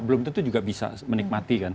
belum tentu juga bisa menikmati kan